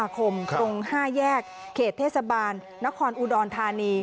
ในเด็กขององค์ครองห้าแยกเขตเทศบาลนครอุดรนธานี